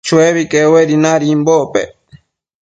Chuebi quebuedi nadimbocpec